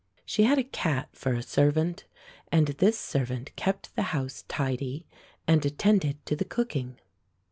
She had a cat for a servant, and this servant kept the house tidy and attended to the cooking.